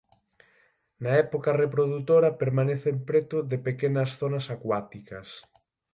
Na época reprodutora permanecen preto de pequenas zonas acuáticas.